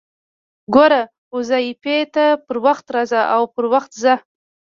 ګوره! واظيفې ته پر وخت راځه او پر وخت ځه!